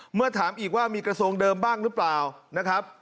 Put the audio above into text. เมื่อถามอีกว่ามีกระทรวงเดิมบ้างหรือเปล่านะครับ